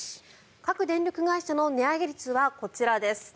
各電力会社の値上げ率はこちらです。